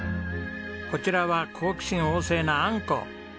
こちらは好奇心旺盛なあんこ。